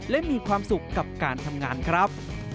และมีความสุขกับการทำงานครับ